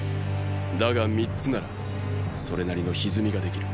だが三つならそれなりのひずみができる。